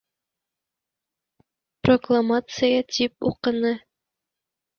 — Прокла-ма-ция, — тип уҡыны.